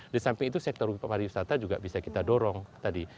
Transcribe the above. di samping itu sektor pariwisata juga bisa kita dorong tadi